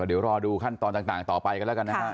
เดี๋ยวรอดูขั้นตอนต่างต่อไปกันแล้วกันนะฮะ